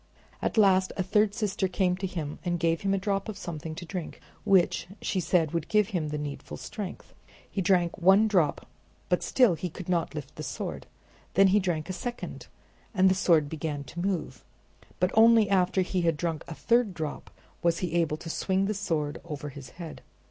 At last a third sister came to him and gave him a drop of something to drink, which she said would give him the needful strength. He drank one drop, but still he could not lift the sword; then he drank a second and the sword began to move; but only after he had drunk a third drop was he able to swing the sword over his head.